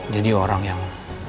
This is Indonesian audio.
jadi orang yang